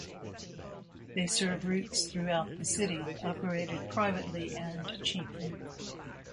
They serve routes throughout the city, operated privately and cheaply.